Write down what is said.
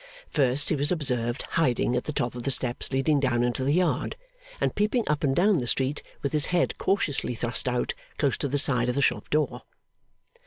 First, he was observed hiding at the top of the steps leading down into the Yard, and peeping up and down the street with his head cautiously thrust out close to the side of the shop door.